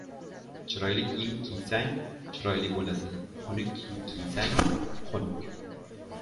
• Chiroyli kiyim kiysang, chiroyli bo‘lasan, xunuk kiyim kiysang ― xunuk.